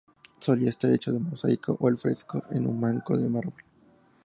Solía estar hecho de mosaico o al fresco en un marco de mármol.